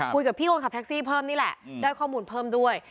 คุยกับพี่คนขับแท็กซี่เพิ่มนี่แหละได้ข้อมูลเพิ่มด้วย